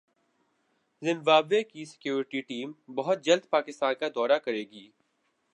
Zimbabwe کی security team بہت جلد پاکستان کا دورہ کریگی